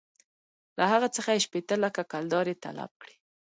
له هغه څخه یې شپېته لکه کلدارې طلب کړې.